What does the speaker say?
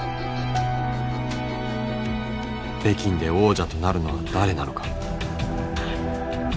北京で王者となるのは誰なのか。